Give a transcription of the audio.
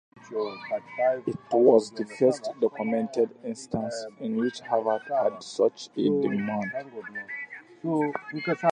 It was the first documented instance in which Harvard had made such a demand.